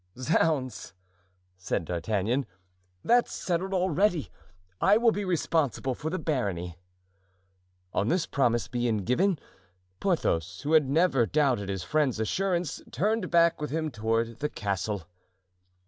"Zounds!" said D'Artagnan, "that's settled already; I will be responsible for the barony." On this promise being given, Porthos, who had never doubted his friend's assurance, turned back with him toward the castle.